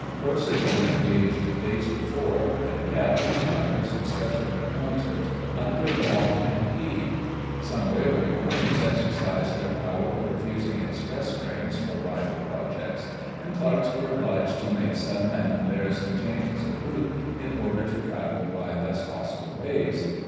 Horses were engaged days before, and kept, by persons specially appointed, under lock and key. Some railway companies exercised their power of refusing express trains for rival projects, and clerks were obliged to make sudden and embarrassing changes of route, in order to travel by less hostile ways.